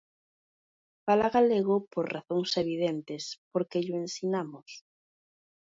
Fala galego por razóns evidentes, porque llo ensinamos.